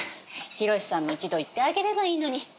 寛さんも一度行ってあげればいいのに